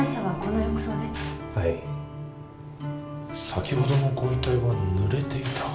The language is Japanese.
先ほどのご遺体はぬれていた。